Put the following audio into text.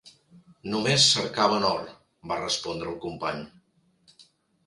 "Només cercaven or", va respondre el company.